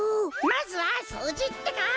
まずはそうじってか。